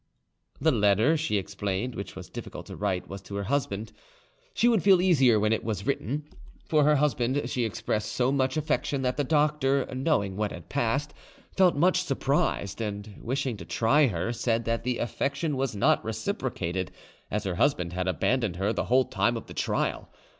The letter, she explained, which was difficult to write, was to her husband. She would feel easier when it was written. For her husband she expressed so much affection, that the doctor, knowing what had passed, felt much surprised, and wishing to try her, said that the affection was not reciprocated, as her husband had abandoned her the whole time of the trial.